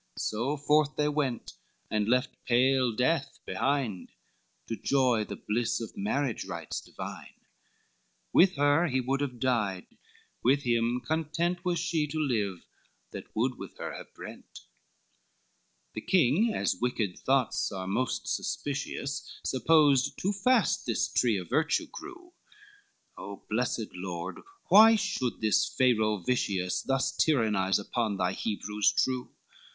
So forth they went and left pale death behind, To joy the bliss of marriage rites divine, With her he would have died, with him content Was she to live that would with her have brent. LIV The king, as wicked thoughts are most suspicious, Supposed too fast this tree of virtue grew, O blessed Lord! why should this Pharaoh vicious, Thus tyrannize upon thy Hebrews true?